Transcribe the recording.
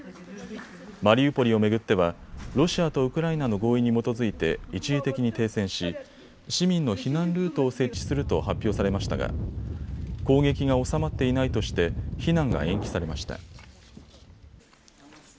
マリウポリを巡ってはロシアとウクライナの合意に基づいて一時的に停戦し市民の避難ルートを設置すると発表されましたが攻撃が収まっていないとして避難が延期されました。